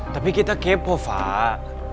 tapi kita kepo fak